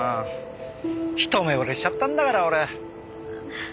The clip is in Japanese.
一目惚れしちゃったんだから俺。